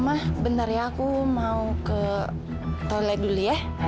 mah bener ya aku mau ke toilet dulu ya